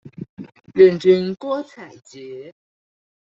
願君郭采潔